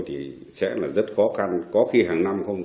thì sẽ là rất khó khăn có khi hàng năm không